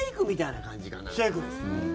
シェイクです。